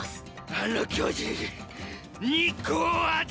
あの巨人に日光を当てるな！！